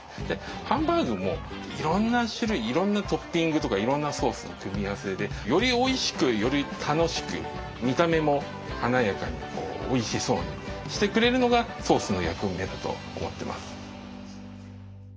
でハンバーグもいろんな種類いろんなトッピングとかいろんなソースの組み合わせでよりおいしくより楽しく見た目も華やかにおいしそうにしてくれるのがソースの役目だと思ってます。